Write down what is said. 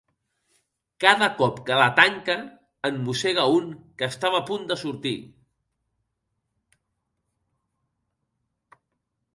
Cada cop que la tanca en mossega un que estava a punt de sortir.